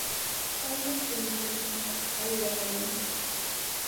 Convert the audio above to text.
Kayman puñukushunpaq aywakamuy.